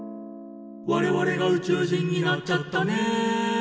「我々が宇宙人になっちゃったね」